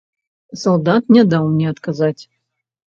Салдат не даў мне адказаць.